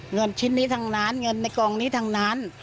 เงินชิ้นนี้ทางร้านเงินในกองนี้ทั้งนั้น